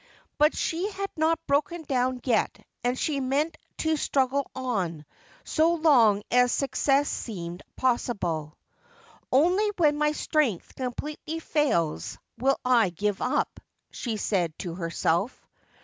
But she had not broken down yet, and she meant to struggle on, so long as success seemed possible. ' Only when my strength completely fails will I give up,' she said to herself.